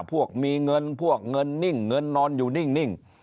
พวกมีเงินพวกเงินนิ่งเงินนอนอยู่นิ่ง